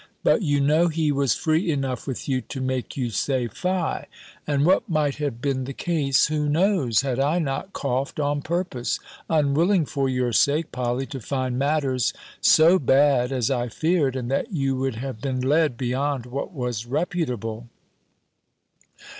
But you know he was free enough with you, to make you say 'Fie!' And what might have been the case, who knows? had I not coughed on purpose: unwilling, for your sake, Polly, to find matters so bad as I feared, and that you would have been led beyond what was reputable."